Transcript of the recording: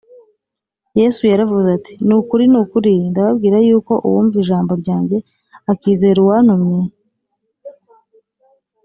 Yesu yaravuze ati, “Ni ukuri, ni ukuri ndababwira yuko uwumva ijambo ryanjye akizera uwantumye